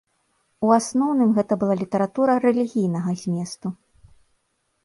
У асноўным гэта была літаратура рэлігійнага зместу.